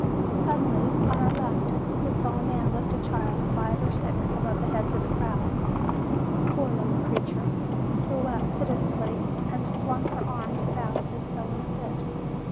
Suddenly, on our left, we saw a man lift a child of five or six above the heads of the crowd, a poor, little creature, who wept piteously, and flung her arms about as though in a fit.